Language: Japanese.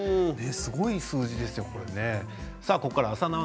すごい数字ですよね。